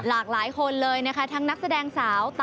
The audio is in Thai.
หลายคนเลยนะคะทั้งนักแสดงสาว